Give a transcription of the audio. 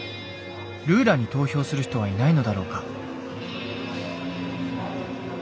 ルーラに投票する人はいないのだろうか？